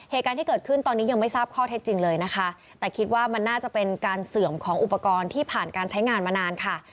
เหตุการณ์ที่เกิดขึ้นตอนนี้ยังไม่ทราบข้อเท็จจริงเลยนะคะแต่คิดว่ามันน่าจะเป็นการเสื่อมของอุปกรณ์ที่ผ่านการใช้งานมานานค่ะ